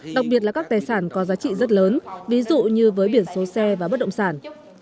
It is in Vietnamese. đặc biệt là các tài sản có giá trị rất lớn ví dụ như với biển số xe và bất động sản